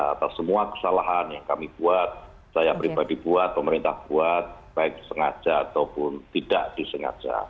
atas semua kesalahan yang kami buat saya pribadi buat pemerintah buat baik sengaja ataupun tidak disengaja